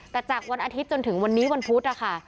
แต่จากวันอาทิตย์จนถึงวันนี้วันพุธนะคะ